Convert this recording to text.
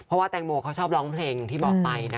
เพราะว่าแตงโมเขาชอบร้องเพลงที่บอกไปนะ